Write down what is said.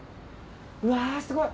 うわあ、すごい。